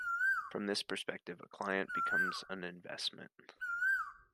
From this perspective, a client becomes an investment.